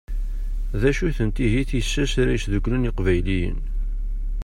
D acu-tent ihi tissas ara yesdukklen Iqbayliyen?